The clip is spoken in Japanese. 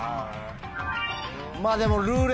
まぁでも。